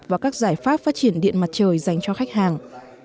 và các giải pháp phát triển điện mặt trời dành cho khách hàng